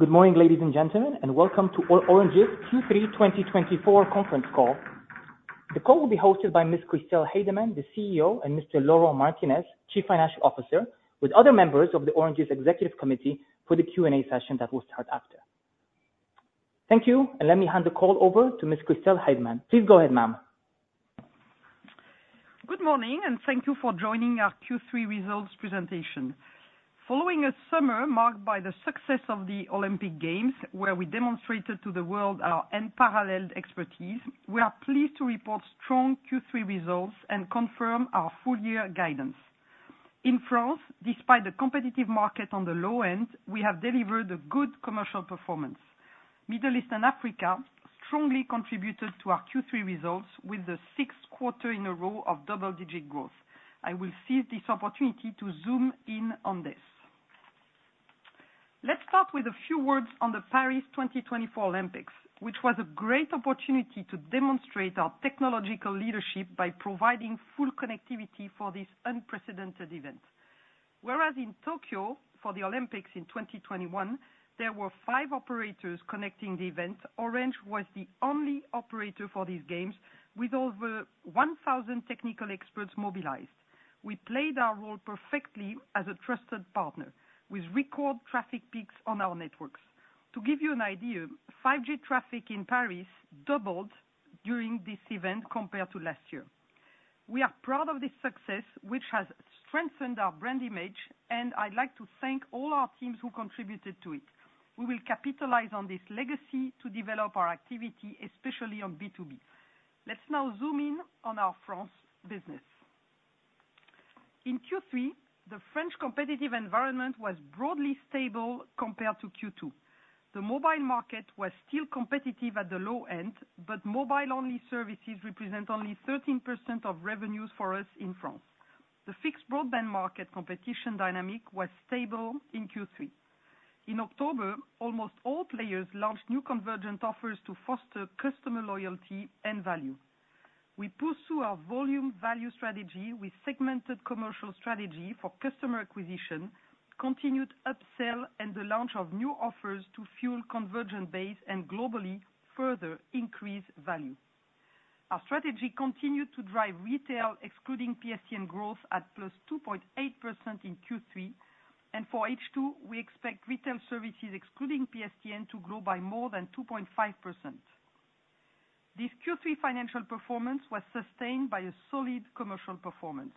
Good morning, ladies and gentlemen, and welcome to Orange's Q3 2024 Conference Call. The call will be hosted by Ms. Christel Heydemann, the CEO, and Mr. Laurent Martinez, Chief Financial Officer, with other members of Orange's Executive Committee for the Q&A session that will start after. Thank you, and let me hand the call over to Ms. Christel Heydemann. Please go ahead, ma'am. Good morning, and thank you for joining our Q3 results presentation. Following a summer marked by the success of the Olympic Games, where we demonstrated to the world our unparalleled expertise, we are pleased to report strong Q3 results and confirm our full year guidance. In France, despite the competitive market on the low end, we have delivered a good commercial performance. Middle East and Africa strongly contributed to our Q3 results, with the sixth quarter in a row of double-digit growth. I will seize this opportunity to zoom in on this. Let's start with a few words on the Paris 2024 Olympics, which was a great opportunity to demonstrate our technological leadership by providing full connectivity for this unprecedented event. Whereas in Tokyo, for the Olympics in 2021, there were five operators connecting the event. Orange was the only operator for these games with over 1,000 technical experts mobilized. We played our role perfectly as a trusted partner, with record traffic peaks on our networks. To give you an idea, 5G traffic in Paris doubled during this event compared to last year. We are proud of this success, which has strengthened our brand image, and I'd like to thank all our teams who contributed to it. We will capitalize on this legacy to develop our activity, especially on B2B. Let's now zoom in on our France business. In Q3, the French competitive environment was broadly stable compared to Q2. The mobile market was still competitive at the low end, but mobile-only services represent only 13% of revenues for us in France. The fixed broadband market competition dynamic was stable in Q3. In October, almost all players launched new convergent offers to foster customer loyalty and value. We pursue our volume value strategy with segmented commercial strategy for customer acquisition, continued upsell, and the launch of new offers to fuel convergent base and globally further increase value. Our strategy continued to drive retail, excluding PSTN growth at +2.8% in Q3, and for H2, we expect retail services, excluding PSTN, to grow by more than 2.5%. This Q3 financial performance was sustained by a solid commercial performance.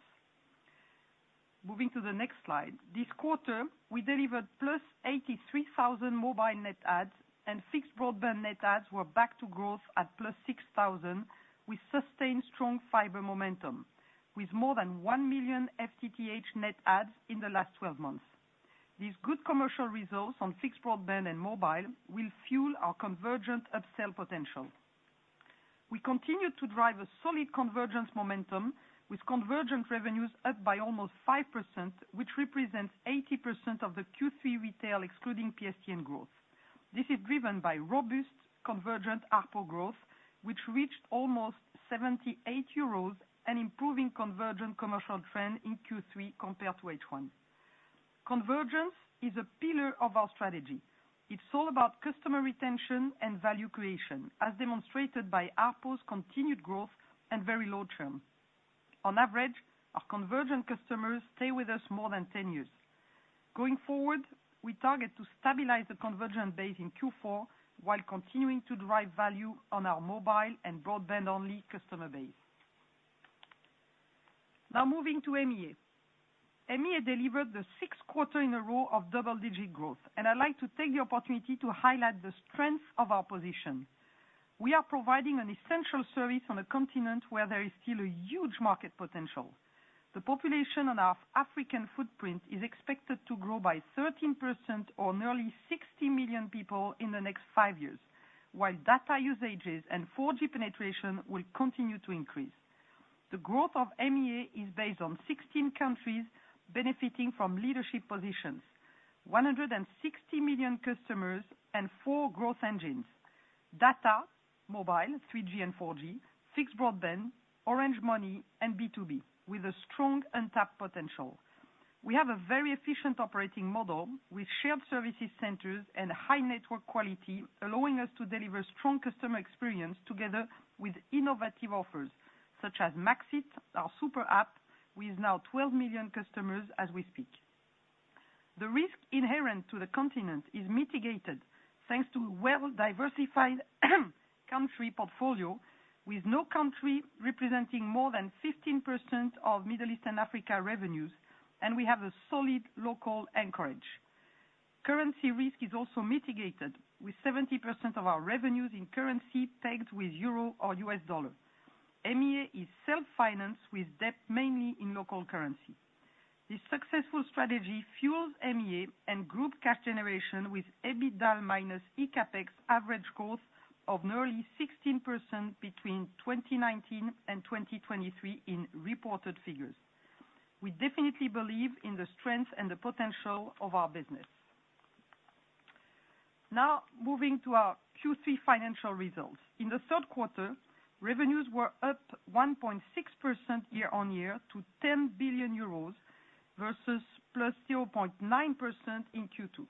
Moving to the next slide. This quarter, we delivered +83,000 mobile net adds, and fixed broadband net adds were back to growth at +6,000, with sustained strong fiber momentum, with more than 1 million FTTH net adds in the last twelve months. These good commercial results on fixed broadband and mobile will fuel our convergent upsell potential. We continue to drive a solid convergence momentum, with convergent revenues up by almost 5%, which represents 80% of the Q3 retail, excluding PSTN growth. This is driven by robust convergent ARPO growth, which reached almost 78 euros, and improving convergent commercial trend in Q3 compared to H1. Convergence is a pillar of our strategy. It's all about customer retention and value creation, as demonstrated by ARPO's continued growth and very low churn. On average, our convergent customers stay with us more than 10 years. Going forward, we target to stabilize the convergent base in Q4, while continuing to drive value on our mobile and broadband-only customer base. Now moving to MEA. MEA delivered the sixth quarter in a row of double-digit growth, and I'd like to take the opportunity to highlight the strength of our position. We are providing an essential service on a continent where there is still a huge market potential. The population on our African footprint is expected to grow by 13%, or nearly 60 million people, in the next five years, while data usages and 4G penetration will continue to increase. The growth of MEA is based on 16 countries benefiting from leadership positions, 160 million customers, and four growth engines: data, mobile, 3G and 4G, fixed broadband, Orange Money, and B2B, with a strong untapped potential. We have a very efficient operating model with shared services centers and high network quality, allowing us to deliver strong customer experience together with innovative offers, such as Max it, our super app, with now 12 million customers as we speak. The risk inherent to the continent is mitigated, thanks to well-diversified country portfolio, with no country representing more than 15% of Middle East and Africa revenues, and we have a solid local anchorage. Currency risk is also mitigated, with 70% of our revenues in currency pegged with Euro or U.S. dollar. MEA is self-financed, with debt mainly in local currency. This successful strategy fuels MEA and group cash generation, with EBITDA minus eCAPEX average growth of nearly 16% between 2019 and 2023 in reported figures. We definitely believe in the strength and the potential of our business. Now, moving to our Q3 financial results. In the third quarter, revenues were up 1.6% year on year to EUR 10 billion, versus +0.9% in Q2,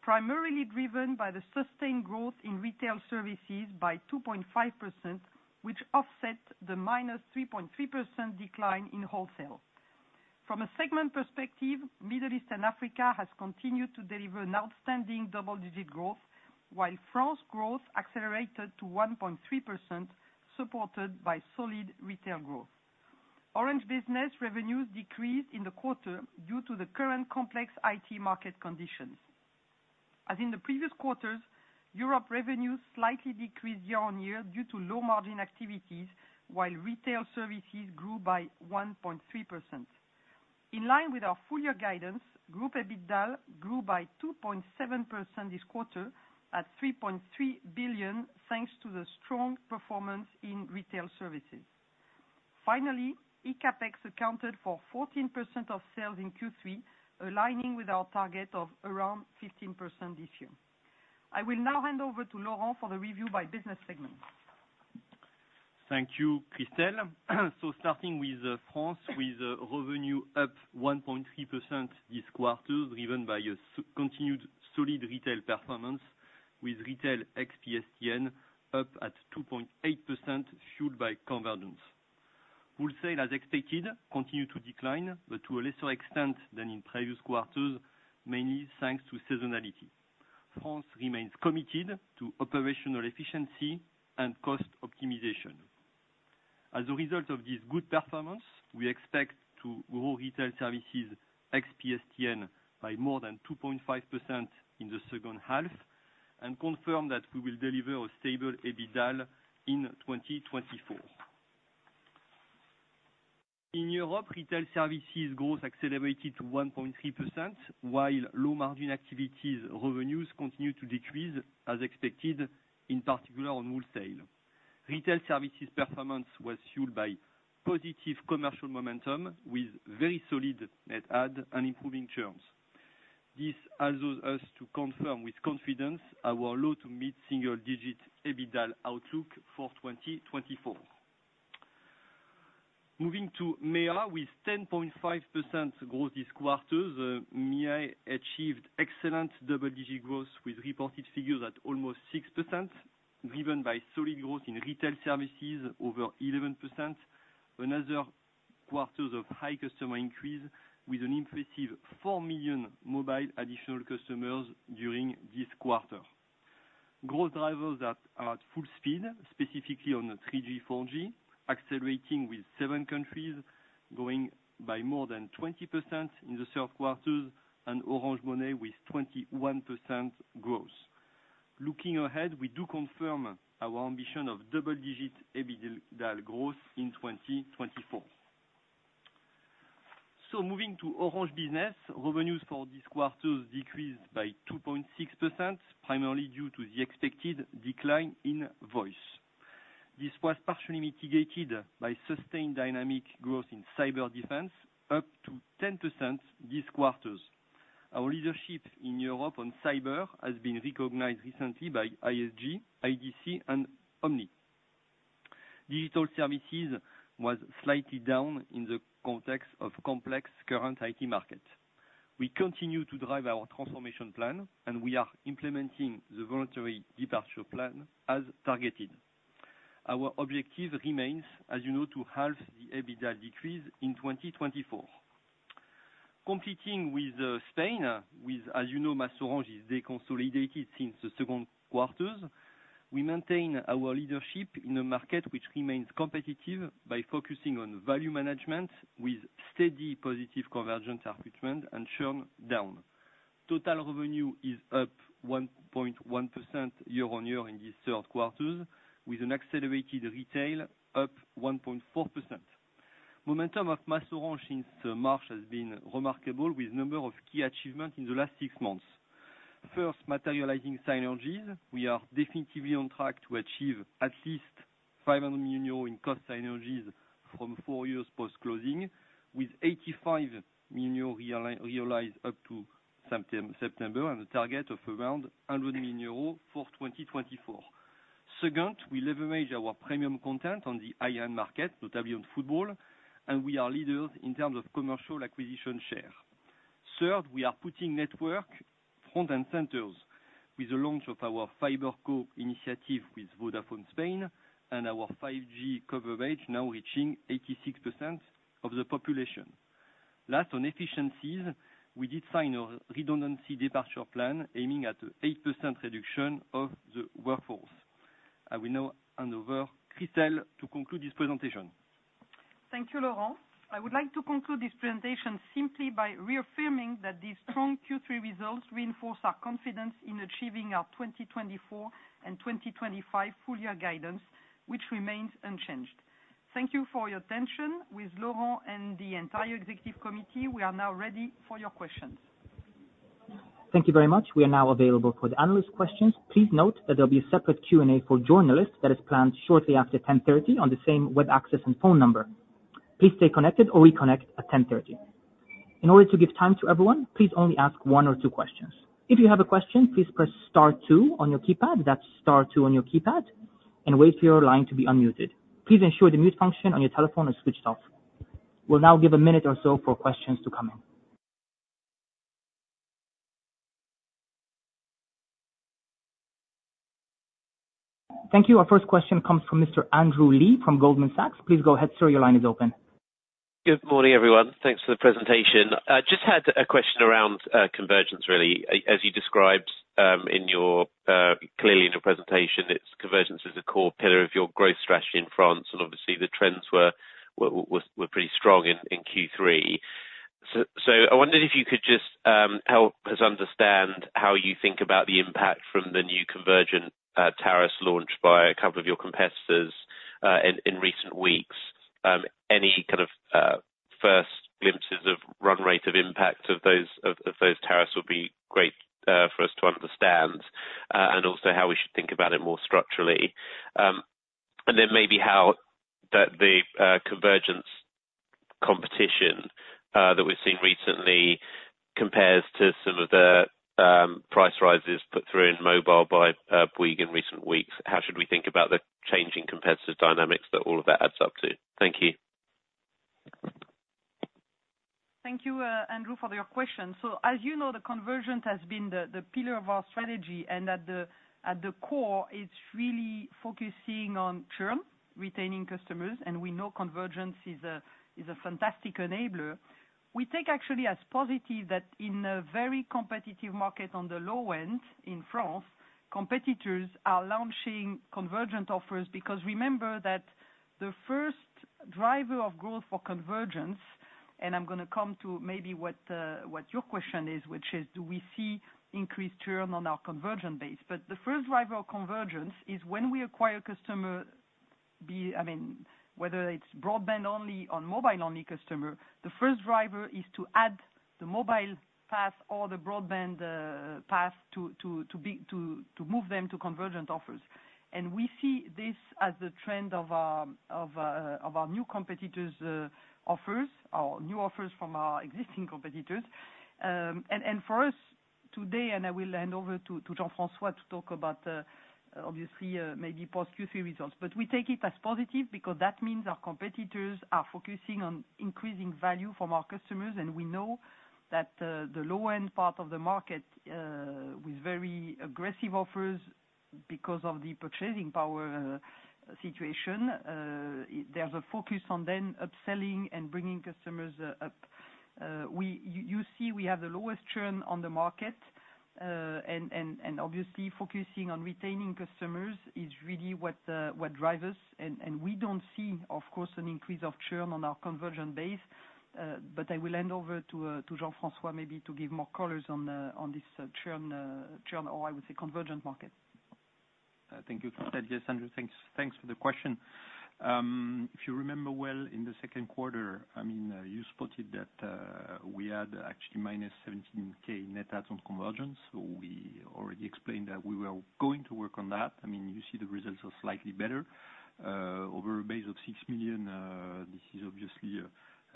primarily driven by the sustained growth in retail services by 2.5%, which offset the -3.3% decline in wholesale. From a segment perspective, Middle East and Africa has continued to deliver an outstanding double-digit growth, while France growth accelerated to 1.3%, supported by solid retail growth. Orange Business revenues decreased in the quarter due to the current complex IT market conditions. As in the previous quarters, Europe revenues slightly decreased year-on-year due to low margin activities, while retail services grew by 1.3%. In line with our full year guidance, group EBITDA grew by 2.7% this quarter at €3.3 billion, thanks to the strong performance in retail services. Finally, eCAPEX accounted for 14% of sales in Q3, aligning with our target of around 15% this year. I will now hand over to Laurent for the review by business segment. Thank you, Christel. Starting with France, with revenue up 1.3% this quarter, driven by a continued solid retail performance, with retail ex PSTN up at 2.8%, fueled by convergence. Wholesale, as expected, continued to decline, but to a lesser extent than in previous quarters, mainly thanks to seasonality. France remains committed to operational efficiency and cost optimization. As a result of this good performance, we expect to grow retail services ex PSTN by more than 2.5% in the second half, and confirm that we will deliver a stable EBITDA in 2024. In Europe, retail services growth accelerated to 1.3%, while low margin activities revenues continued to decrease as expected, in particular on wholesale. Retail services performance was fueled by positive commercial momentum, with very solid net add and improving terms. This allows us to confirm with confidence our low- to mid-single-digit EBITDA outlook for 2024. Moving to MEA, with 10.5% growth this quarter, MEA achieved excellent double-digit growth, with reported figures at almost 6%, driven by solid growth in retail services over 11%. Another quarter of high customer increase, with an impressive 4 million mobile additional customers during this quarter. Growth drivers are at full speed, specifically on the 3G, 4G, accelerating with seven countries, growing by more than 20% in the third quarter, and Orange Money with 21% growth. Looking ahead, we do confirm our ambition of double-digit EBITDA growth in 2024. Moving to Orange Business, revenues for this quarter decreased by 2.6%, primarily due to the expected decline in voice. This was partially mitigated by sustained dynamic growth in cyber defense, up 10% this quarter. Our leadership in Europe on cyber has been recognized recently by ISG, IDC, and Omdia. Digital services was slightly down in the context of complex current IT market. We continue to drive our transformation plan, and we are implementing the voluntary departure plan as targeted. Our objective remains, as you know, to halve the EBITDA decrease in 2024. Competing with Spain, with, as you know, MasOrange is deconsolidated since the second quarter. We maintain our leadership in a market which remains competitive by focusing on value management, with steady positive convergence equipment and churn down. Total revenue is up 1.1% year-on-year in this third quarter, with an accelerated retail up 1.4%. Momentum of MasOrange since March has been remarkable, with a number of key achievements in the last six months. First, materializing synergies. We are definitively on track to achieve at least 500 million euros in cost synergies from four years post-closing, with 85 million euros realized up to September, and a target of around 100 million euros for 2024. Second, we leverage our premium content on the high-end market, notably on football, and we are leaders in terms of commercial acquisition share. Third, we are putting network front and center with the launch of our FiberCo initiative with Vodafone Spain, and our 5G coverage now reaching 86% of the population. Last, on efficiencies, we did sign a redundancy departure plan, aiming at 8% reduction of the workforce. I will now hand over to Christel to conclude this presentation. Thank you, Laurent. I would like to conclude this presentation simply by reaffirming that these strong Q3 results reinforce our confidence in achieving our twenty twenty-four and twenty twenty-five full year guidance, which remains unchanged. Thank you for your attention. With Laurent and the entire executive committee, we are now ready for your questions. Thank you very much. We are now available for the analyst questions. Please note that there'll be a separate Q&A for journalists that is planned shortly after 10:30 A.M. on the same web access and phone number. Please stay connected or reconnect at 10:30 A.M. In order to give time to everyone, please only ask one or two questions. If you have a question, please press star two on your keypad. That's star two on your keypad, and wait for your line to be unmuted. Please ensure the mute function on your telephone is switched off. We'll now give a minute or so for questions to come in. Thank you. Our first question comes from Mr. Andrew Lee from Goldman Sachs. Please go ahead, sir, your line is open. Good morning, everyone. Thanks for the presentation. I just had a question around convergence, really. As you described in your clearly in your presentation, it's convergence is a core pillar of your growth strategy in France, and obviously the trends were pretty strong in Q3. So I wondered if you could just help us understand how you think about the impact from the new convergent tariffs launch by a couple of your competitors in recent weeks. Any kind of first glimpses of run rate of impact of those tariffs would be great for us to understand, and also how we should think about it more structurally. And then maybe how the convergence competition that we've seen recently compares to some of the price rises put through in mobile by Bouygues in recent weeks. How should we think about the changing competitive dynamics that all of that adds up to? Thank you. Thank you, Andrew, for your question. So as you know, the convergence has been the pillar of our strategy, and at the core, it's really focusing on churn, retaining customers, and we know convergence is a fantastic enabler. We take actually as positive that in a very competitive market on the low end in France, competitors are launching convergent offers. Because remember that the first driver of growth for convergence, and I'm gonna come to maybe what your question is, which is: do we see increased churn on our convergent base? But the first driver of convergence is when we acquire customer, I mean, whether it's broadband-only or mobile-only customer, the first driver is to add the mobile path or the broadband path to move them to convergent offers. And we see this as the trend of our new competitors' offers, or new offers from our existing competitors. And for us today, and I will hand over to Jean-François to talk about, obviously, maybe post Q3 results. But we take it as positive, because that means our competitors are focusing on increasing value from our customers. And we know that the low-end part of the market with very aggressive offers because of the purchasing power situation, there's a focus on then upselling and bringing customers up. We, you see, we have the lowest churn on the market. And obviously focusing on retaining customers is really what drives us. And we don't see, of course, an increase of churn on our convergent base. But I will hand over to Jean-François, maybe to give more colors on this churn, or I would say, convergent market. Thank you for that. Yes, Andrew, thanks, thanks for the question. If you remember well in the second quarter, I mean, you spotted that, we had actually minus 17K net adds on convergence. So we already explained that we were going to work on that. I mean, you see the results are slightly better, over a base of 6 million. This is obviously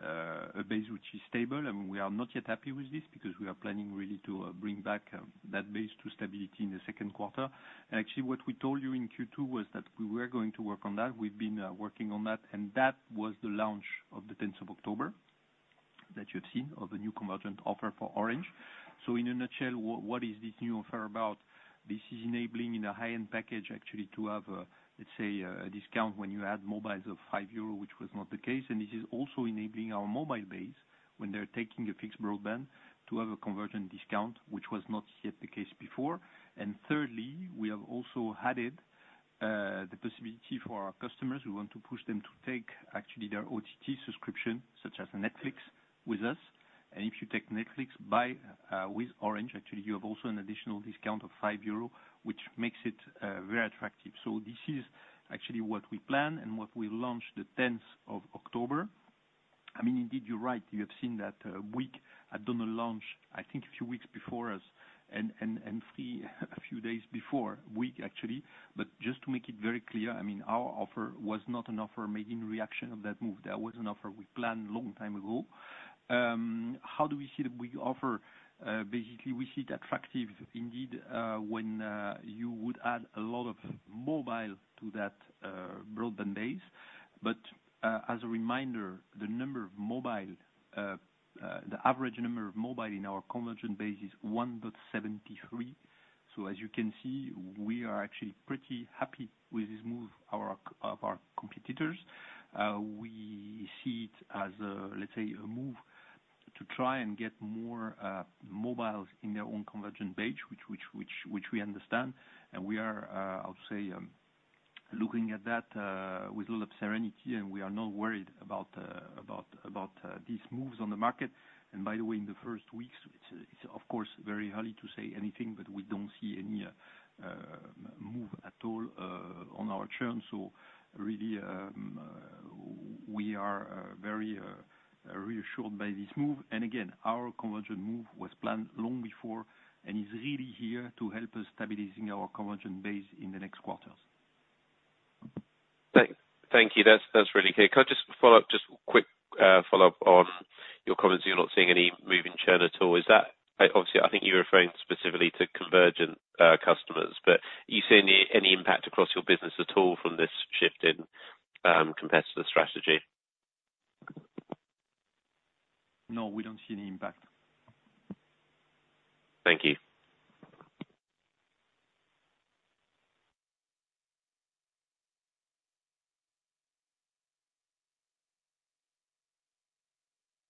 a base which is stable, and we are not yet happy with this because we are planning really to bring back that base to stability in the second quarter. Actually, what we told you in Q2 was that we were going to work on that. We've been working on that, and that was the launch of the 10th of October, that you've seen, of the new convergent offer for Orange. So in a nutshell, what is this new offer about? This is enabling in a high-end package, actually, to have, let's say, a discount when you add mobiles of 5 euro, which was not the case. And this is also enabling our mobile base when they're taking a fixed broadband, to have a convergent discount, which was not yet the case before. And thirdly, we have also added the possibility for our customers. We want to push them to take actually their OTT subscription, such as Netflix, with us. And if you take Netflix by with Orange, actually, you have also an additional discount of 5 euro, which makes it very attractive. So this is actually what we plan and what we launched the tenth of October. I mean, indeed, you're right, you have seen that, WIC had done a launch, I think, a few weeks before us and Free a few days before, WIC, actually, but just to make it very clear, I mean, our offer was not an offer made in reaction of that move. That was an offer we planned long time ago. How do we see the WIC offer? Basically we see it attractive indeed, when you would add a lot of mobile to that, broadband base. But, as a reminder, the average number of mobile in our convergent base is 1.73. So as you can see, we are actually pretty happy with this move of our competitors. We see it as a, let's say, a move to try and get more mobiles in their own convergent base, which we understand. And we are, I'll say, looking at that with a little of serenity, and we are not worried about these moves on the market. And by the way, in the first weeks, it's of course very early to say anything, but we don't see any move at all on our churn. So really, we are very reassured by this move. And again, our convergent move was planned long before and is really here to help us stabilizing our convergent base in the next quarters. Thank you. That's really clear. Can I just follow up, just quick, follow-up on your comments, you're not seeing any moving churn at all. Is that, obviously, I think you're referring specifically to convergent customers, but are you seeing any impact across your business at all from this shift in competitor strategy? No, we don't see any impact. Thank you.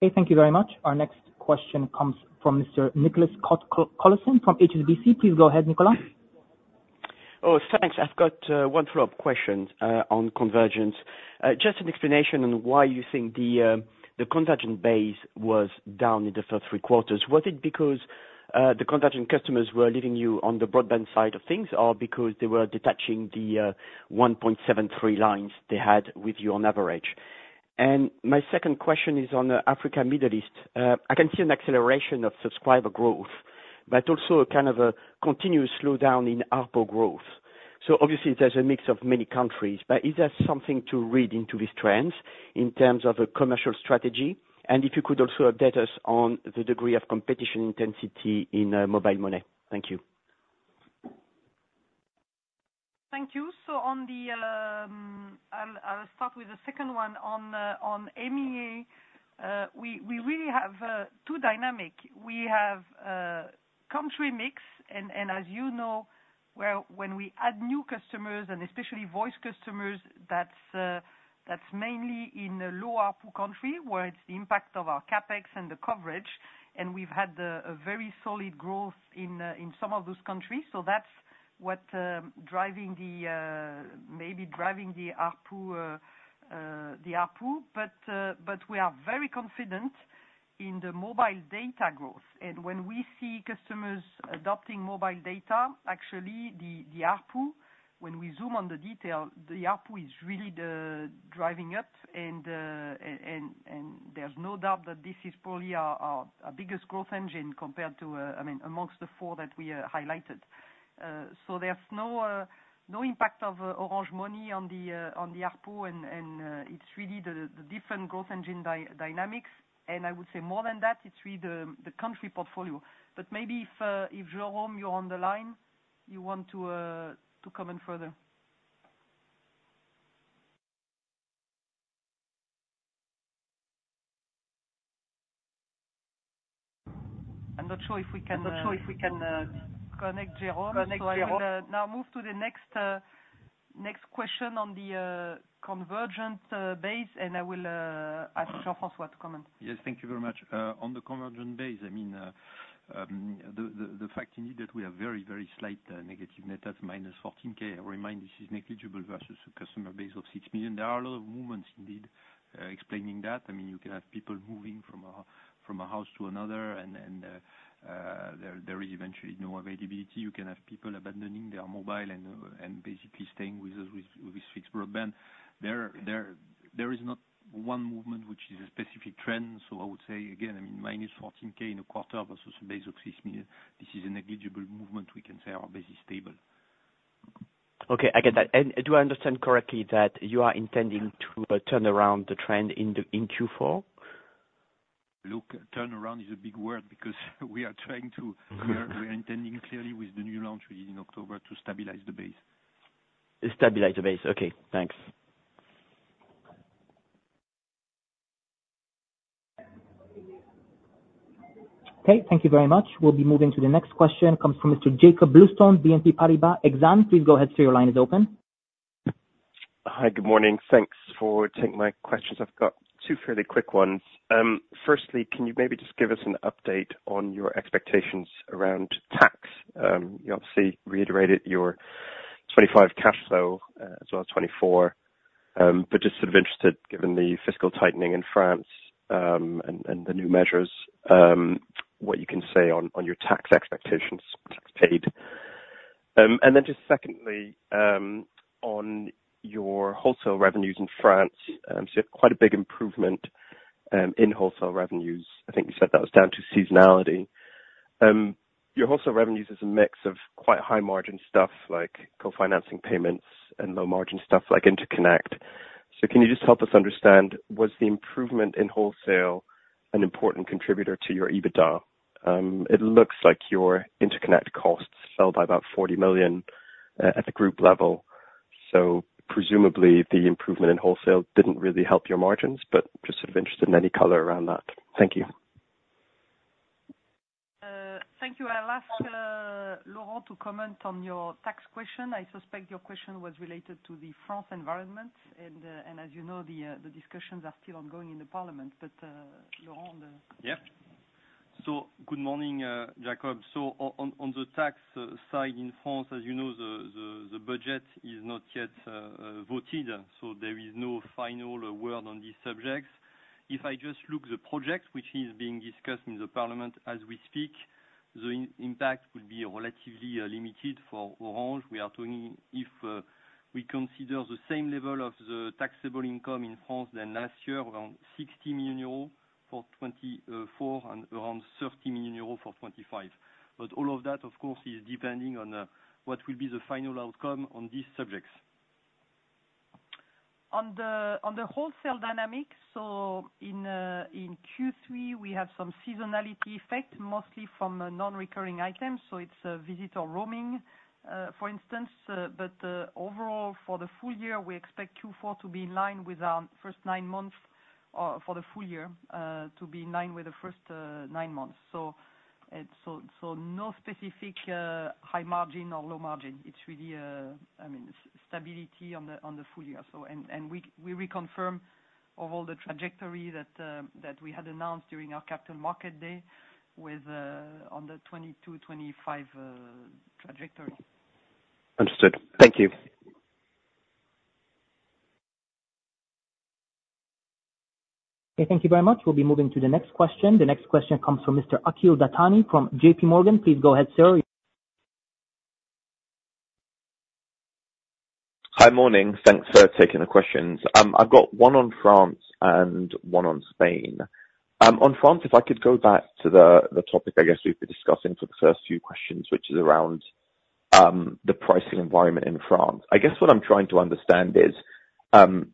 Okay, thank you very much. Our next question comes from Mr. Nicolas Cote-Colisson from HSBC. Please go ahead, Nicholas. Oh, thanks. I've got one follow-up question on convergence. Just an explanation on why you think the convergent base was down in the first three quarters. Was it because the convergent customers were leaving you on the broadband side of things, or because they were detaching the one point seven three lines they had with you on average? And my second question is on Africa, Middle East. I can see an acceleration of subscriber growth, but also a kind of a continuous slowdown in ARPU growth. So obviously, there's a mix of many countries. But is there something to read into these trends in terms of a commercial strategy? And if you could also update us on the degree of competition intensity in mobile money. Thank you. Thank you. So on the, I'll start with the second one on MEA. We really have two dynamics. We have country mix, and as you know, when we add new customers, and especially voice customers, that's mainly in the low ARPU country, where it's the impact of our CapEx and the coverage, and we've had a very solid growth in some of those countries. So that's what's driving the ARPU, maybe driving the ARPU. But we are very confident in the mobile data growth. And when we see customers adopting mobile data, actually, the ARPU, when we zoom on the detail, the ARPU is really driving up. There's no doubt that this is probably our biggest growth engine compared to, I mean, amongst the four that we highlighted. So there's no impact of Orange Money on the ARPU, and it's really the different growth engine dynamics. I would say more than that, it's really the country portfolio. But maybe if Jerome, you're on the line, you want to comment further. I'm not sure if we can connect Jerome. I will now move to the next question on the convergent base, and I will ask Jean-François to comment. Yes, thank you very much. On the convergent base, I mean, the fact indeed that we have very, very slight negative net adds, minus 14K. I remind you, this is negligible versus a customer base of 6 million. There are a lot of movements indeed explaining that. I mean, you can have people moving from a house to another, and there is eventually no availability. You can have people abandoning their mobile and basically staying with us with fixed broadband. There is not one movement which is a specific trend, so I would say again, I mean, minus 14K in a quarter versus a base of 6 million, this is a negligible movement. We can say our base is stable. Okay, I get that. And do I understand correctly that you are intending to turn around the trend in Q4? Look, turnaround is a big word, because we are trying to- Mm-hmm. We are intending, clearly, with the new launch, which is in October, to stabilize the base. Stabilize the base. Okay, thanks. Okay, thank you very much. We'll be moving to the next question, comes from Mr. Jakob Bluestone, BNP Paribas Exane. Please go ahead, sir. Your line is open. Hi, good morning. Thanks for taking my questions. I've got two fairly quick ones. Firstly, can you maybe just give us an update on your expectations around tax? You obviously reiterated your 2025 cash flow, as well as 2024. But just sort of interested, given the fiscal tightening in France, and the new measures, what you can say on your tax expectations, tax paid. And then just secondly, on your wholesale revenues in France, so quite a big improvement in wholesale revenues. I think you said that was down to seasonality. Your wholesale revenues is a mix of quite high-margin stuff like co-financing payments and low-margin stuff like interconnect. So can you just help us understand, was the improvement in wholesale an important contributor to your EBITDA? It looks like your interconnect costs fell by about €40 million at the group level. So presumably, the improvement in wholesale didn't really help your margins, but just sort of interested in any color around that. Thank you. Thank you. I'll ask Laurent to comment on your tax question. I suspect your question was related to the France environment, and as you know, the discussions are still ongoing in the parliament. But, Laurent? Yep. So good morning, Jakob. So on the tax side, in France, as you know, the budget is not yet voted, so there is no final word on these subjects. If I just look the project, which is being discussed in the parliament as we speak, the impact will be relatively limited for Orange. We are talking if we consider the same level of the taxable income in France than last year, around 60 million euros for 2024, and around 30 million euros for 2025. But all of that, of course, is depending on what will be the final outcome on these subjects. On the wholesale dynamics, so in Q3, we have some seasonality effect, mostly from non-recurring items, so it's visitor roaming, for instance. But overall, for the full year, we expect Q4 to be in line with our first nine months, for the full year, to be in line with the first nine months. So no specific high margin or low margin. It's really, I mean, stability on the full year. So we reconfirm all the trajectory that we had announced during our Capital Markets Day with on the 2022-2025 trajectory. Understood. Thank you. Okay, thank you very much. We'll be moving to the next question. The next question comes from Mr. Akhil Dattani from J.P. Morgan. Please go ahead, sir. Hi, morning. Thanks for taking the questions. I've got one on France and one on Spain. On France, if I could go back to the topic, I guess, we've been discussing for the first few questions, which is around the pricing environment in France. I guess what I'm trying to understand is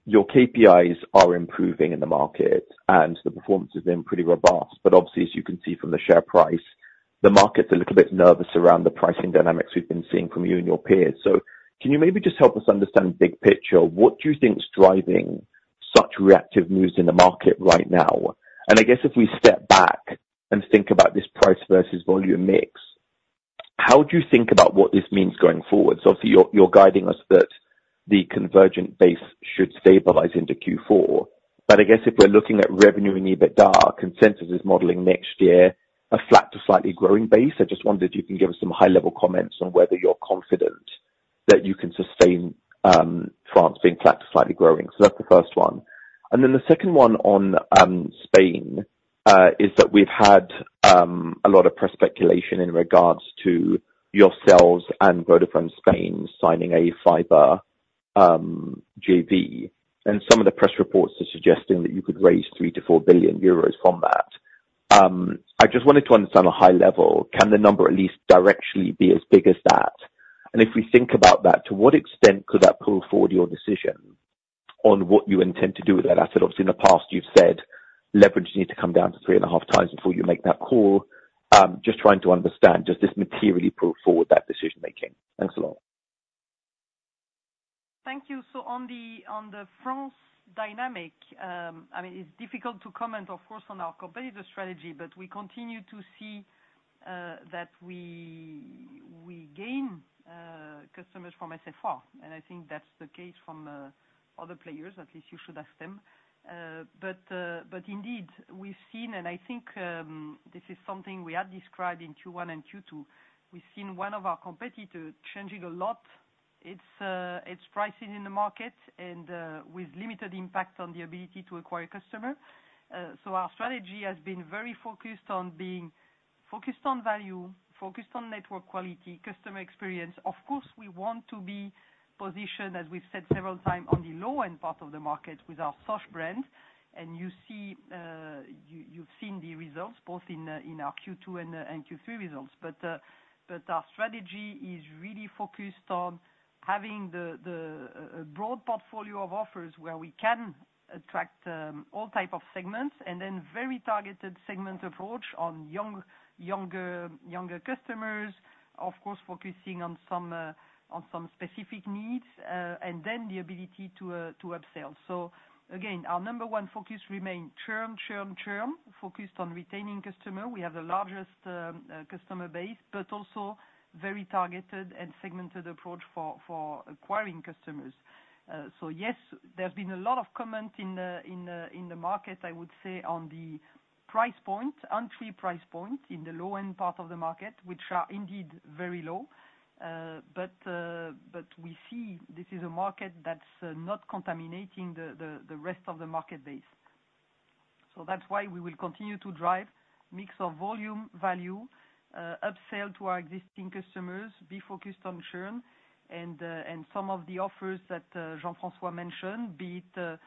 your KPIs are improving in the market, and the performance has been pretty robust. But obviously, as you can see from the share price, the market's a little bit nervous around the pricing dynamics we've been seeing from you and your peers. So can you maybe just help us understand big picture, what do you think is driving such reactive moves in the market right now? And I guess if we step back and think about this price versus volume mix, how do you think about what this means going forward? So obviously, you're guiding us that the convergent base should stabilize into Q4. But I guess if we're looking at revenue and EBITDA, consensus is modeling next year, a flat to slightly growing base. I just wondered if you can give us some high-level comments on whether you're confident that you can sustain, France being flat to slightly growing. So that's the first one. And then the second one on, Spain, is that we've had, a lot of press speculation in regards to yourselves and Vodafone Spain signing a fiber, JV. And some of the press reports are suggesting that you could raise 3-4 billion euros from that. I just wanted to understand a high level, can the number at least directly be as big as that? And if we think about that, to what extent could that pull forward your decision on what you intend to do with that asset? Obviously, in the past, you've said leverage need to come down to three and a half times before you make that call. Just trying to understand, does this materially pull forward that decision making? Thanks a lot. Thank you. So on the, on the France dynamic, I mean, it's difficult to comment, of course, on our competitor strategy, but we continue to see, that we, we gain, customers from SFR, and I think that's the case from, other players, at least you should ask them. But, but indeed, we've seen, and I think, this is something we have described in Q1 and Q2, we've seen one of our competitor changing a lot its, its pricing in the market and, with limited impact on the ability to acquire customer. So our strategy has been very focused on being focused on value, focused on network quality, customer experience. Of course, we want to be positioned, as we've said several times, on the low-end part of the market with our Sosh brand, and you see, you've seen the results both in our Q2 and Q3 results. But our strategy is really focused on having a broad portfolio of offers where we can attract all type of segments, and then very targeted segment approach on younger customers, of course, focusing on some specific needs, and then the ability to upsell. So again, our number one focus remain churn, churn, churn, focused on retaining customer. We have the largest customer base, but also very targeted and segmented approach for acquiring customers. So yes, there's been a lot of comment in the market, I would say, on the price point, entry price point in the low-end part of the market, which are indeed very low. But we see this is a market that's not contaminating the rest of the market base. So that's why we will continue to drive mix of volume, value, upsell to our existing customers, be focused on churn, and some of the offers that Jean-François mentioned, be it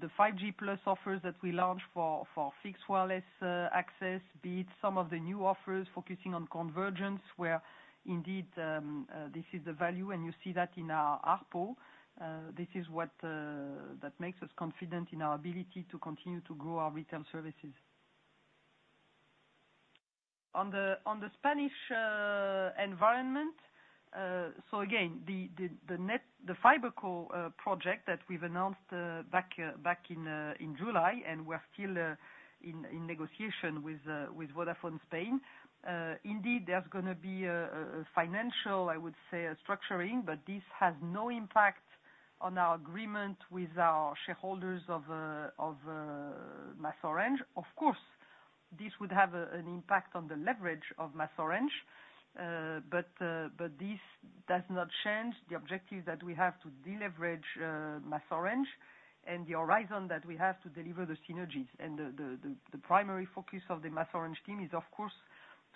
the 5G plus offers that we launched for fixed wireless access, be it some of the new offers focusing on convergence, where indeed this is the value, and you see that in our ARPU. This is what that makes us confident in our ability to continue to grow our retail services. On the Spanish environment, so again, the FiberCo project that we've announced back in July, and we're still in negotiation with Vodafone Spain, indeed, there's gonna be a financial, I would say, a structuring, but this has no impact on our agreement with our shareholders of MasOrange. Of course, this would have an impact on the leverage of MasOrange, but this does not change the objective that we have to deleverage MasOrange and the horizon that we have to deliver the synergies. The primary focus of the MasOrange team is, of course,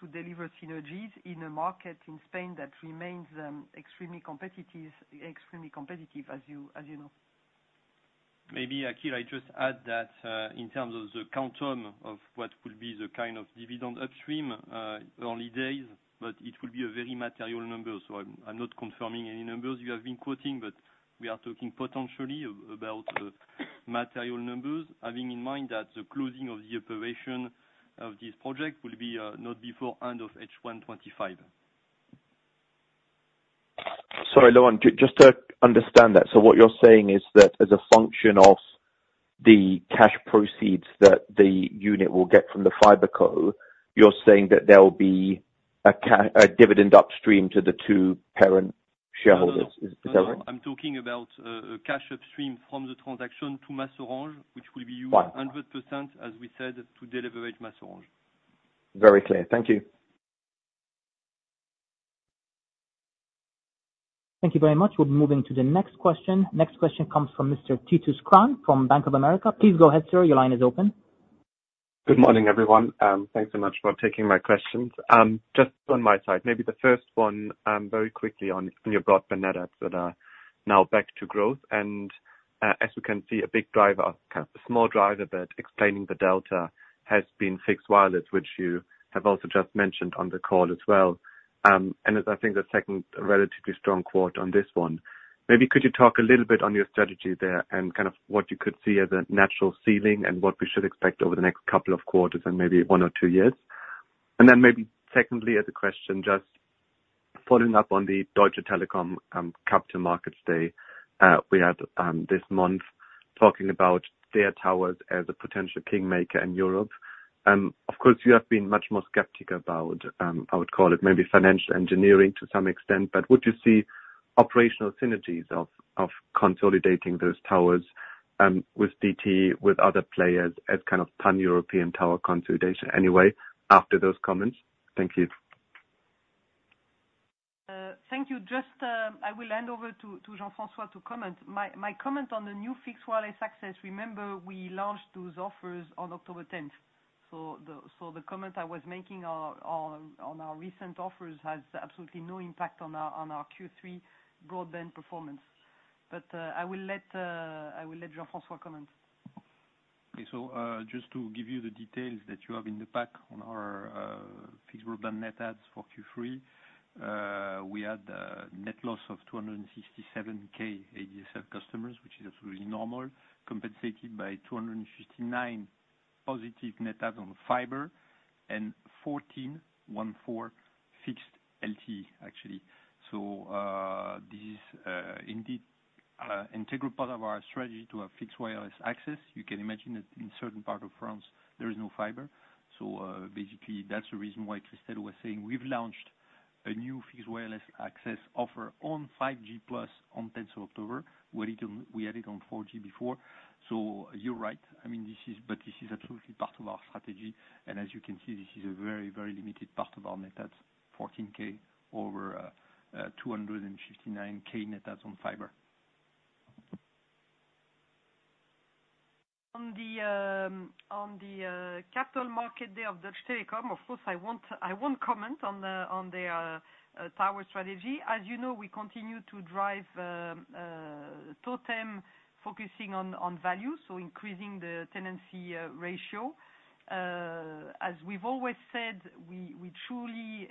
to deliver synergies in a market in Spain that remains extremely competitive, as you know. Maybe, Akhil, I just add that, in terms of the quantum of what will be the kind of dividend upstream, early days, but it will be a very material number. So I'm not confirming any numbers you have been quoting, but we are talking potentially about material numbers, having in mind that the closing of the operation of this project will be not before end of H1 2025. Sorry, Laurent, just to understand that. So what you're saying is that as a function of the cash proceeds that the unit will get from the fiber co, you're saying that there will be a dividend upstream to the two parent shareholders? Is that right? No, no. I'm talking about a cash upstream from the transaction to Orange, which will be used- Right. 100%, as we said, to deliver Orange. Very clear. Thank you. Thank you very much. We're moving to the next question. Next question comes from Mr. Titus Krahn, from Bank of America. Please go ahead, sir. Your line is open. Good morning, everyone. Thanks so much for taking my questions. Just on my side, maybe the first one, very quickly on your broadband net adds that are now back to growth. And, as you can see, a big driver, a small driver, but explaining the delta has been fixed wireless, which you have also just mentioned on the call as well. And as I think the second relatively strong quarter on this one. Maybe could you talk a little bit on your strategy there, and kind of what you could see as a natural ceiling, and what we should expect over the next couple of quarters and maybe one or two years? And then maybe secondly, as a question, just following up on the Deutsche Telekom Capital Markets Day we had this month, talking about their towers as a potential kingmaker in Europe. Of course, you have been much more skeptical about I would call it maybe financial engineering to some extent, but would you see operational synergies of consolidating those towers with DT, with other players as kind of pan-European tower consolidation anyway, after those comments? Thank you. Thank you. Just, I will hand over to Jean-François to comment. My comment on the new fixed wireless access, remember, we launched those offers on October tenth. So the comment I was making on our recent offers has absolutely no impact on our Q3 broadband performance. But I will let Jean-François comment. Okay. So, just to give you the details that you have in the pack on our fixed broadband net adds for Q3. We had a net loss of 267K ADSL customers, which is absolutely normal, compensated by 259 positive net adds on fiber, and 141 fixed LTE, actually. So, this is indeed integral part of our strategy to have fixed wireless access. You can imagine that in certain parts of France, there is no fiber. So, basically, that's the reason why Christel was saying we've launched a new fixed wireless access offer on 5G+ on tenth of October. We had it on 4G before. So you're right. I mean, this is, but this is absolutely part of our strategy, and as you can see, this is a very, very limited part of our net adds, 14K over 259K net adds on fiber. On the capital market day of Deutsche Telekom, of course, I won't comment on their tower strategy. As you know, we continue to drive Totem, focusing on value, so increasing the tenancy ratio. As we've always said, we truly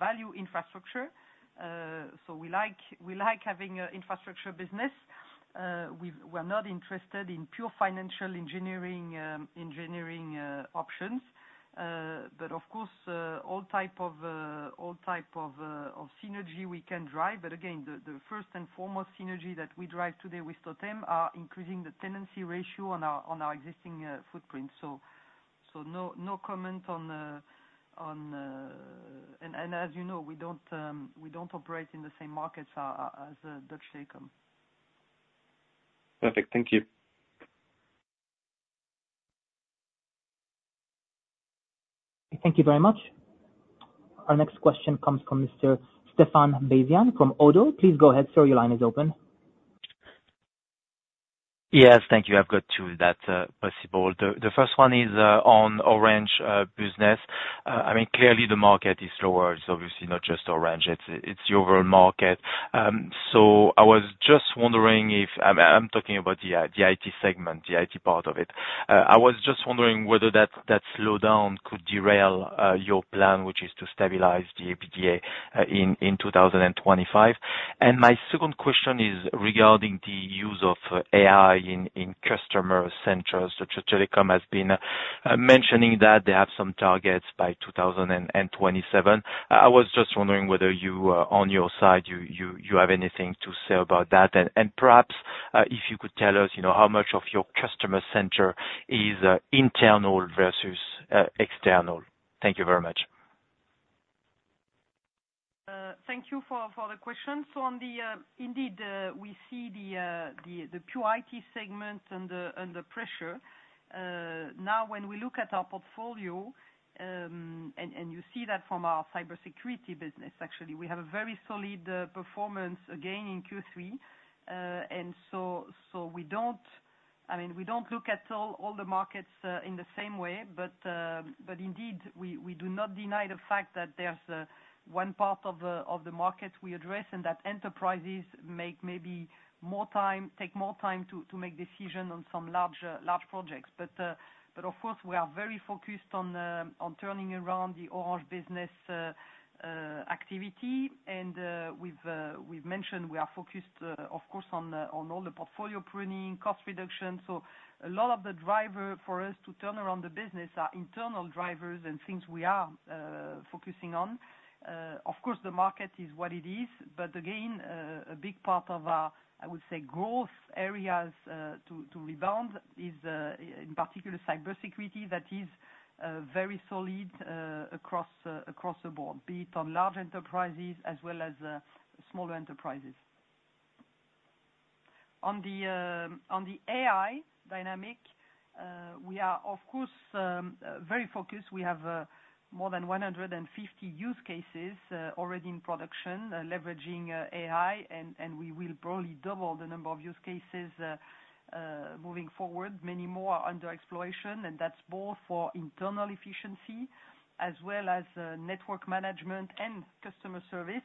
value infrastructure. So we like having an infrastructure business. We're not interested in pure financial engineering options. But of course, all types of synergy we can drive. But again, the first and foremost synergy that we drive today with Totem are increasing the tenancy ratio on our existing footprint. So no comment on, as you know, we don't operate in the same markets as Deutsche Telekom. Perfect. Thank you. Thank you very much. Our next question comes from Mr. Stéphane Beyazian from Oddo. Please go ahead, sir, your line is open. Yes, thank you. I've got two, if that's possible. The first one is on Orange business. I mean, clearly the market is lower. It's obviously not just Orange, it's the overall market. So I was just wondering if I'm talking about the IT segment, the IT part of it. I was just wondering whether that slowdown could derail your plan, which is to stabilize the EBITDA in two thousand and twenty-five. My second question is regarding the use of AI in customer centers. Deutsche Telekom has been mentioning that they have some targets by two thousand and twenty-seven. I was just wondering whether you on your side you have anything to say about that? Perhaps, if you could tell us, you know, how much of your customer center is external. Thank you very much. Thank you for the question. Indeed, we see the pure IT segment under pressure. Now, when we look at our portfolio, and you see that from our cybersecurity business, actually, we have a very solid performance again in Q3. And so, we don't look at all the markets in the same way. But indeed, we do not deny the fact that there's one part of the market we address, and that enterprises take more time to make decision on some large projects. But of course, we are very focused on turning around the Orange Business activity. And, we've mentioned we are focused, of course, on all the portfolio pruning, cost reduction. So a lot of the driver for us to turn around the business are internal drivers and things we are focusing on. Of course, the market is what it is. But again, a big part of our, I would say, growth areas to rebound is in particular cybersecurity. That is very solid across the board, be it on large enterprises as well as smaller enterprises. On the AI dynamic, we are of course very focused. We have more than one hundred and fifty use cases already in production, leveraging AI, and we will probably double the number of use cases moving forward. Many more are under exploration, and that's both for internal efficiency as well as network management and customer service.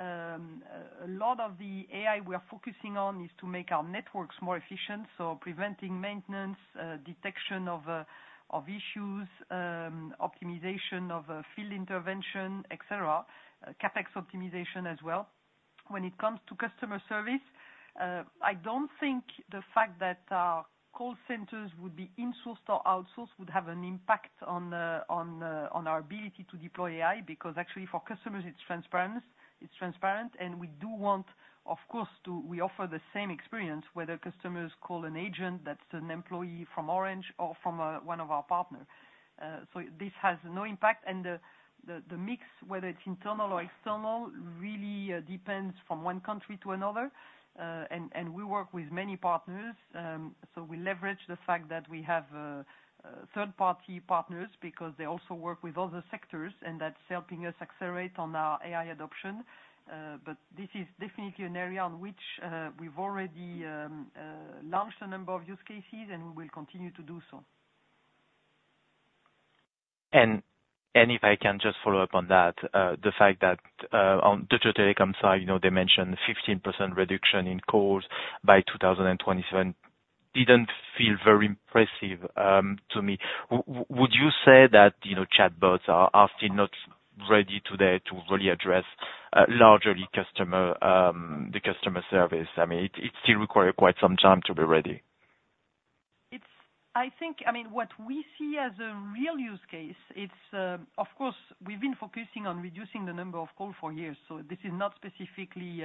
A lot of the AI we are focusing on is to make our networks more efficient, so preventing maintenance, detection of issues, optimization of field intervention, etc., CapEx optimization as well. When it comes to customer service, I don't think the fact that our call centers would be insourced or outsourced would have an impact on our ability to deploy AI, because actually for customers, it's transparent, and we do want, of course, to, we offer the same experience, whether customers call an agent that's an employee from Orange or from one of our partners. So this has no impact. The mix, whether it's internal or external, really depends from one country to another. We work with many partners, so we leverage the fact that we have third-party partners because they also work with other sectors, and that's helping us accelerate on our AI adoption. But this is definitely an area on which we've already launched a number of use cases, and we will continue to do so. If I can just follow up on that, the fact that on Deutsche Telekom side, you know, they mentioned 15% reduction in calls by 2027. Didn't feel very impressive to me. Would you say that, you know, chatbots are still not ready today to really address larger customer the customer service? I mean, it still require quite some time to be ready. I think, I mean, what we see as a real use case. It's, of course, we've been focusing on reducing the number of calls for years, so this is not specifically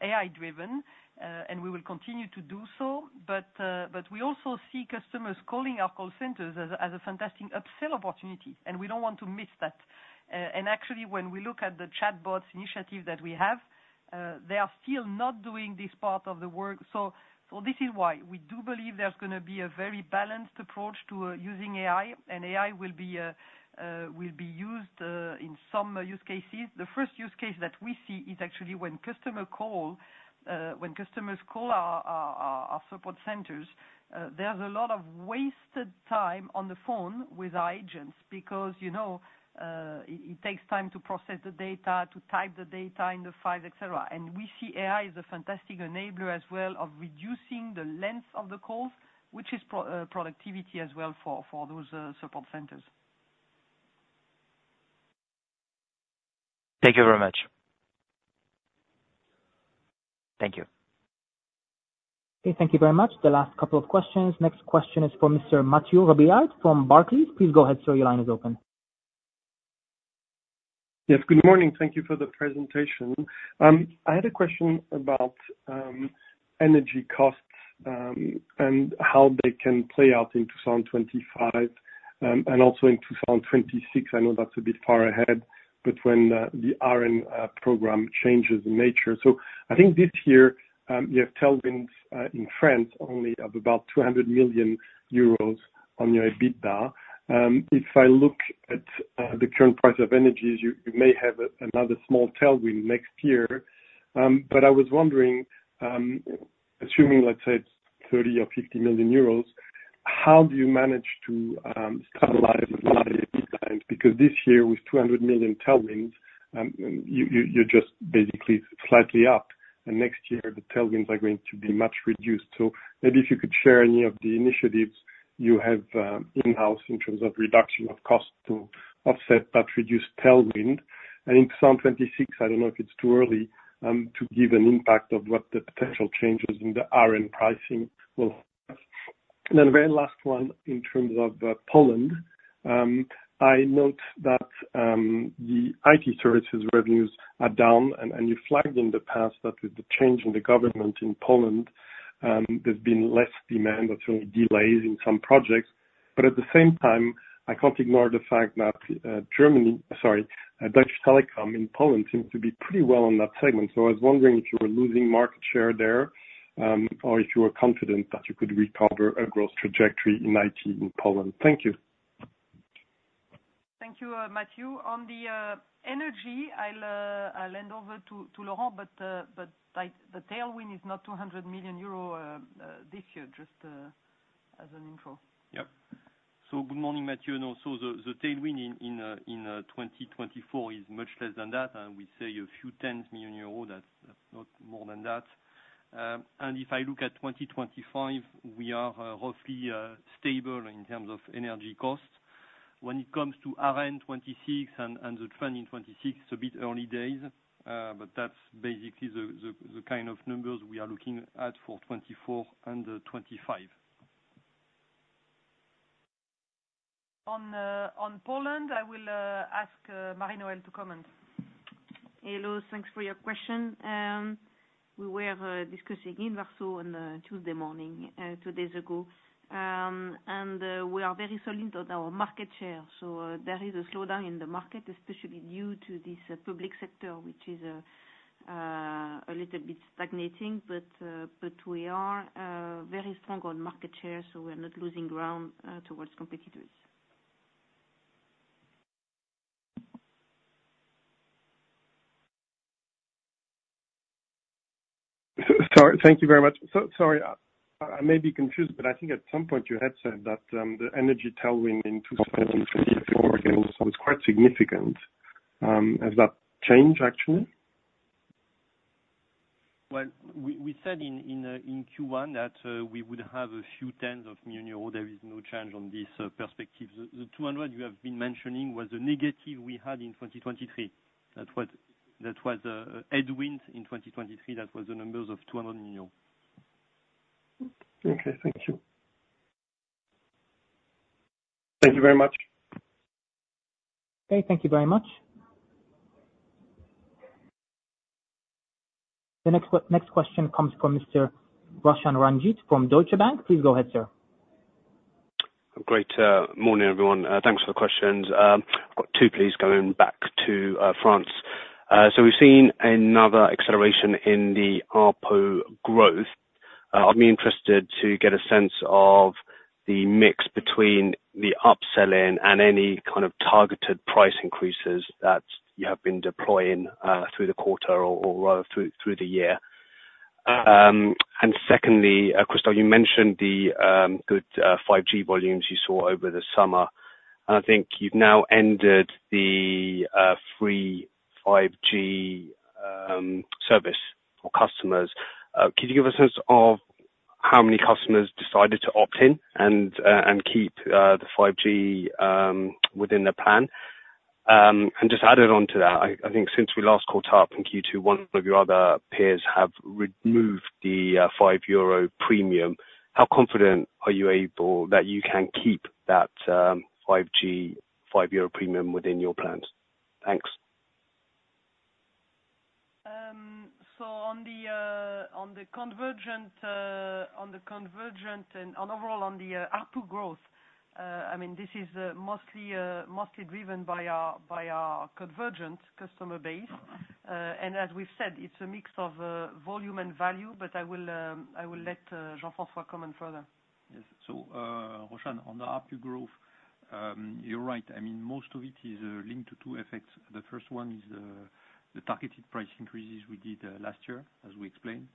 AI driven, and we will continue to do so. But we also see customers calling our call centers as a fantastic upsell opportunity, and we don't want to miss that. And actually, when we look at the chatbots initiative that we have, they are still not doing this part of the work. So this is why we do believe there's gonna be a very balanced approach to using AI, and AI will be used in some use cases. The first use case that we see is actually when customers call our support centers. There's a lot of wasted time on the phone with our agents because, you know, it takes time to process the data, to type the data in the files, etc. And we see AI as a fantastic enabler as well of reducing the length of the calls, which is productivity as well for those support centers. Thank you very much. Thank you. Okay, thank you very much. The last couple of questions. Next question is for Mr. Mathieu Robilliard from Barclays. Please go ahead, sir, your line is open. Yes, good morning. Thank you for the presentation. I had a question about energy costs, and how they can play out in two thousand and twenty-five, and also in two thousand and twenty-six. I know that's a bit far ahead, but when the ARENH program changes in nature. So I think this year you have tailwinds in France only of about 200 million euros on your EBITDA. If I look at the current price of energies, you may have another small tailwind next year. But I was wondering, assuming, let's say, it's 30 or 50 million, how do you manage to stabilize? Because this year, with 200 million tailwinds, you're just basically slightly up, and next year, the tailwinds are going to be much reduced. Maybe if you could share any of the initiatives you have in-house in terms of reduction of cost to offset that reduced tailwind. In 2026, I don't know if it's too early to give an impact of what the potential changes in the ARENH pricing will have. The very last one, in terms of Poland, I note that the IT services revenues are down, and you flagged in the past that with the change in the government in Poland, there's been less demand or some delays in some projects. At the same time, I can't ignore the fact that Germany, sorry, Deutsche Telekom in Poland seems to be pretty well on that segment. I was wondering if you were losing market share there, or if you were confident that you could recover a growth trajectory in IT in Poland. Thank you. Thank you, Mathieu. On the energy, I'll hand over to Laurent, but, like, the tailwind is not 200 million euro this year, just as an intro. Yep. So good morning, Mathieu, and also the tailwind in 2024 is much less than that. We say a few tens of millions euros. That's not more than that. And if I look at 2025, we are roughly stable in terms of energy costs. When it comes to in 2026 and the trend in 2026, it's a bit early days, but that's basically the kind of numbers we are looking at for 2024 and 2025. On Poland, I will ask Mari-Noëlle to comment. Hello, thanks for your question. We were discussing in Warsaw on Tuesday morning two days ago. And we are very solid on our market share, so there is a slowdown in the market, especially due to this public sector, which is a little bit stagnating. But we are very strong on market share, so we are not losing ground towards competitors. Sorry, thank you very much. So sorry, I may be confused, but I think at some point you had said that the energy tailwind in 2024 was quite significant. Has that changed actually? We said in Q1 that we would have a few tens of million euros. There is no change on this perspective. The 200 you have been mentioning was a negative we had in 2023. That was headwind in 2023. That was the numbers of 200 million. Okay, thank you. Thank you very much. Okay, thank you very much. The next question comes from Mr. Roshan Ranjit from Deutsche Bank. Please go ahead, sir. Great morning, everyone. Thanks for the questions. I've got two, please, going back to France. So we've seen another acceleration in the ARPO growth. I'd be interested to get a sense of the mix between the upselling and any kind of targeted price increases that you have been deploying through the quarter or rather through the year. And secondly, Christel, you mentioned the good 5G volumes you saw over the summer. And I think you've now ended the free 5G service for customers. Could you give a sense of how many customers decided to opt in and keep the 5G within their plan? And just adding on to that, I think since we last caught up in Q2, one of your other peers have removed the 5 euro premium. How confident are you able that you can keep that 5G 5 euro premium within your plans? Thanks. So on the convergent and overall ARPO growth, I mean, this is mostly driven by our convergent customer base, and as we've said, it's a mix of volume and value, but I will let Jean-François comment further. Yes. So, Roshan, on the ARPU growth, you're right. I mean, most of it is linked to two effects. The first one is the targeted price increases we did last year, as we explained.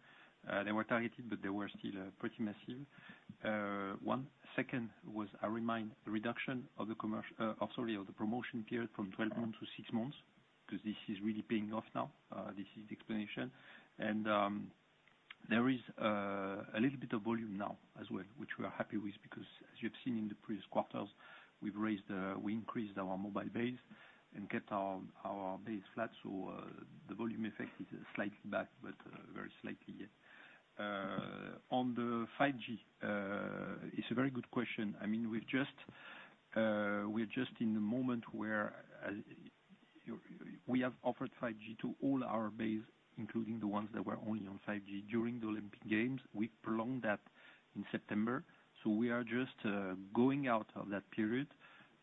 They were targeted, but they were still pretty massive. One second. I remind you of the reduction of the promotion period from twelve months to six months, because this is really paying off now. This is the explanation. And there is a little bit of volume now as well, which we are happy with, because as you've seen in the previous quarters, we increased our mobile base and kept our base flat. So the volume effect is slightly back, but very slightly, yeah. On the 5G, it's a very good question. I mean, we've just, we're just in the moment where, we have offered 5G to all our base, including the ones that were only on 5G during the Olympic Games. We prolonged that in September, so we are just, going out of that period.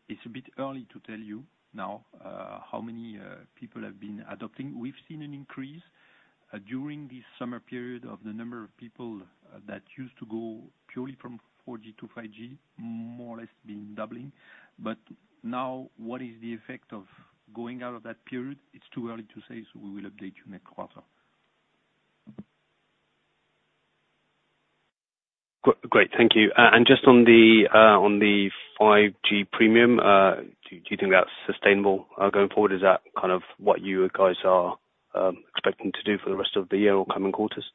It's a bit early to tell you now, how many, people have been adopting. We've seen an increase, during this summer period of the number of people that used to go purely from 4G to 5G, more or less been doubling. But now, what is the effect of going out of that period? It's too early to say, so we will update you next quarter. Great. Thank you. And just on the 5G premium, do you think that's sustainable going forward? Is that kind of what you guys are expecting to do for the rest of the year or coming quarters?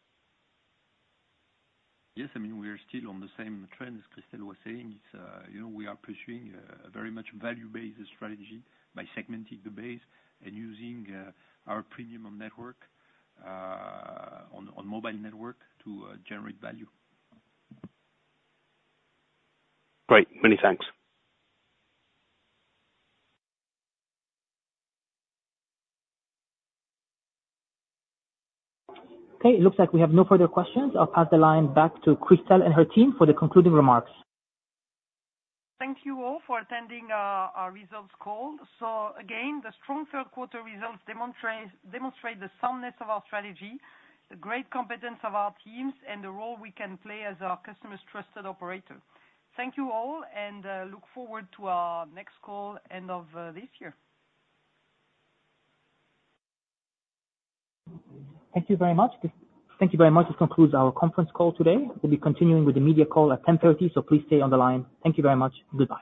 Yes. I mean, we are still on the same trend as Christel was saying. It's, you know, we are pursuing a very much value-based strategy by segmenting the base and using our premium on network, on mobile network to generate value. Great. Many thanks. Okay, it looks like we have no further questions. I'll pass the line back to Christel and her team for the concluding remarks. Thank you all for attending our results call. So again, the strong third quarter results demonstrate the soundness of our strategy, the great competence of our teams, and the role we can play as our customers' trusted operator. Thank you all, and look forward to our next call end of this year. Thank you very much. Thank you very much. This concludes our conference call today. We'll be continuing with the media call at 10:30 A.M., so please stay on the line. Thank you very much. Good day.